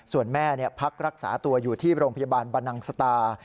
ส่วนแม่พักรักษาตัวอยู่ที่โรงพยาบาลบรรนังสตา